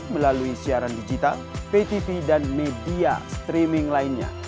melalui siaran digital patv dan media streaming lainnya